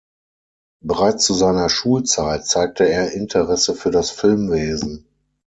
Bereits zu seiner Schulzeit zeigte er Interesse für das Filmwesen.